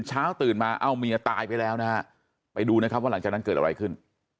เช้าตื่นมาเอ้าเมียตายไปแล้วนะฮะไปดูนะครับว่าหลังจากนั้นเกิดอะไรขึ้น